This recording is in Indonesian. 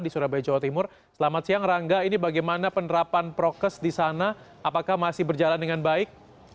selamat siang rangga ini bagaimana penerapan prokes di sana apakah masih berjalan dengan baik